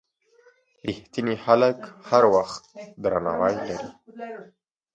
رښتیني خلک هر وخت درناوی لري.